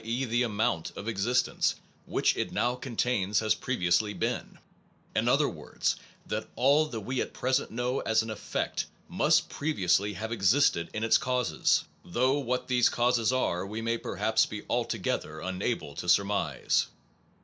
e. the amount) of existence, which it now contains, has previously been ; in other words, that all that we at present know as an effect must previously have existed in its causes; though what these causes are we may perhaps be altogether unable to surmise.